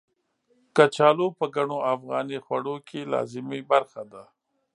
کچالو په ګڼو افغاني خوړو کې لازمي برخه ده.